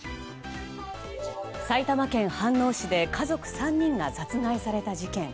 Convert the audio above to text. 埼玉県飯能市で家族３人が殺害された事件。